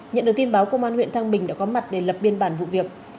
nhận được tin báo công an huyện thăng bình đã có mặt để lập biên bản vụ việc